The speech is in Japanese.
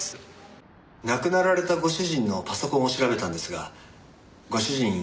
亡くなられたご主人のパソコンを調べたんですがご主人